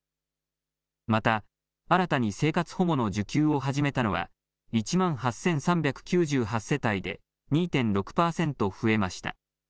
また新たに生活保護の受給を始めたのは１万８３９８世帯で２．６％増えました。